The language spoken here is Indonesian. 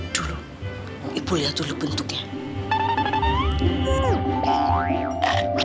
dulu ibu liat dulu bentuknya